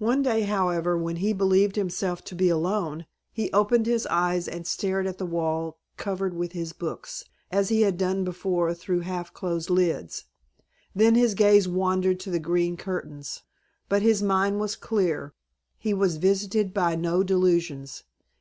One day, however, when he believed himself to be alone, he opened his eyes and stared at the wall covered with his books, as he had done before through half closed lids. Then his gaze wandered to the green curtains. But his mind was clear. He was visited by no delusions.